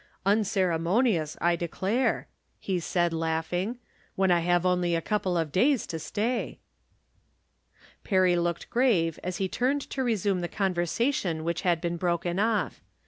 "Unceremonious, I declare," he said, laugh 824 From Different Standpoints. ing, "when I have only a couple of days to stay !" Perry looked grave as he turned to resume the conversation which had been broken off.